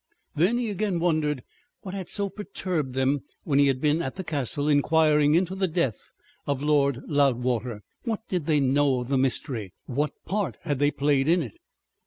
Then he again wondered what had so perturbed them when he had been at the Castle inquiring into the death of Lord Loudwater. What did they know of the mystery? What part had they played in it?